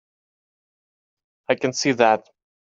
I can see that.